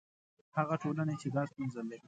هغه ټولنې چې دا ستونزې لري.